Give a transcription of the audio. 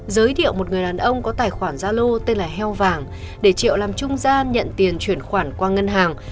giới thiệu một người đàn ông có tài khoản gia lô tên là heo vàng để triệu làm trung gian nhận tiền chuyển khoản qua ngân hàng